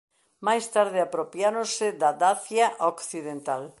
Máis tarde apropiáronse da Dacia Occidental.